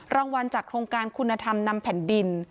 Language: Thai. รางวัลจากโครงการคุณธรรมนำแผ่นดิน